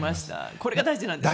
これが大事なんですね。